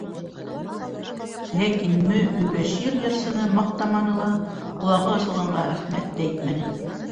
Ләкин Мө-Өбәшир йырсыны маҡтаманы ла, ҡолағы асылғанға рәхмәт тә әйтмәне.